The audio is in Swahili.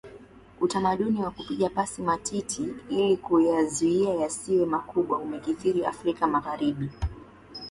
Utamaduni wa kupiga pasi matiti ili kuyazuia yasiwe makubwa umekithiri Afrika Magharibi